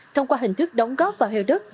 thông qua hình thức đóng góp vào heo đất